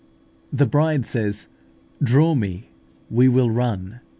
The Bride says, "Draw me, we will run."